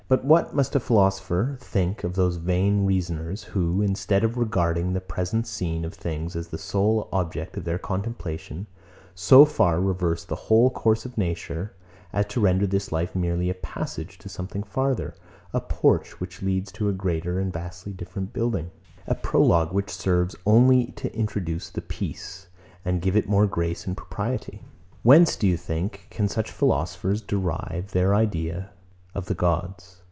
109. But what must a philosopher think of those vain reasoners, who, instead of regarding the present scene of things as the sole object of their contemplation, so far reverse the whole course of nature, as to render this life merely a passage to something farther; a porch, which leads to a greater, and vastly different building; a prologue, which serves only to introduce the piece, and give it more grace and propriety? Whence, do you think, can such philosophers derive their idea of the gods?